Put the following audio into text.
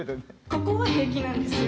ここは平気なんですよ。